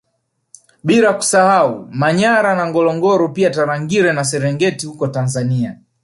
Bila kusahau Manyara na Ngorongoro pia Tarangire na Serengeti huko Tanzania